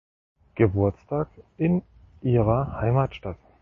Geburtstag in ihrer Heimatstadt.